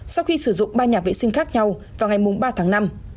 sau khi sử dụng ba nhà vệ sinh khác nhau vào ngày ba tháng năm